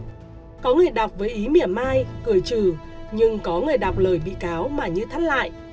bà lan trình bày tìm ra lý miệng mai cười trừ nhưng có người đọc lời bị cáo mà như thắt lại